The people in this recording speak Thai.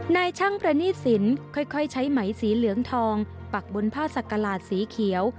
นายช่างประณีตสินค่อยใช้ไหมสีเหลืองทองปักบนผ้าสักกระหลาดสีเขียว